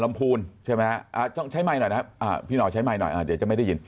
ลำผูลใช่ไหมอ่าดจองใช้เมื่อนาทับอ่าวนี่จะไม่ได้ยิน